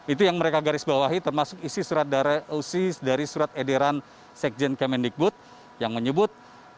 itu yang mereka garis bawahi termasuk isi surat dari surat edaran sekjen kemendikbud yang menyebut